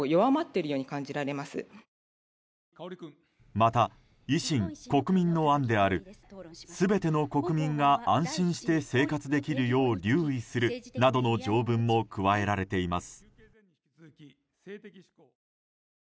また、維新・国民の案である全ての国民が安心して生活できるよう留意するなどの条文も加えられています。